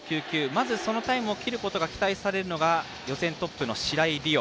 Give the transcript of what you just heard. まず、そのタイムを切ることが期待されるのが予選トップの白井璃緒。